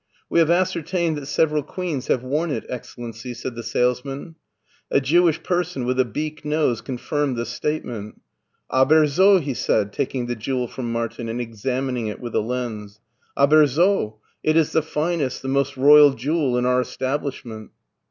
" We have ascertained that several queens have worn it, excellency," said the salesman. A Jew ish person with a beak nose confirmed this statement. "Aber so!*' he said, taking the jewel from Martin and examining it with a lens. "Aber so! It is the finest, the most ro3ral jewel in our establishment!"